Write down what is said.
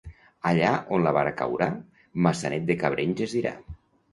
Allà on la vara caurà, Maçanet de Cabrenys es dirà.